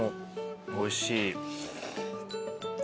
おいしい。